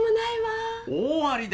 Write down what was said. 大ありだ。